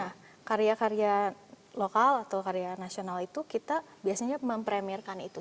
nah karya karya lokal atau karya nasional itu kita biasanya mempremirkan itu